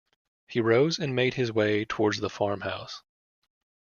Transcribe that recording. He rose and made his way towards the farm-house.